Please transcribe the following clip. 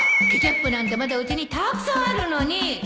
ケチャップなんてまだうちにたくさんあるのに